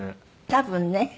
多分ね。